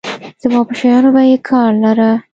زما په شيانو به يې کار لاره.